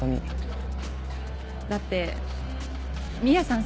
だってミアさん